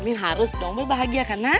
amin harus dong berbahagia kan nak